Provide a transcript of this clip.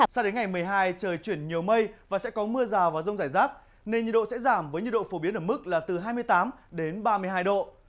sao đến ngày một mươi hai trời chuyển nhiều mây và sẽ có mưa rào và rông rải rác nên nhiệt độ sẽ giảm với nhiệt độ phổ biến ở mức là từ hai mươi tám đến ba mươi hai độ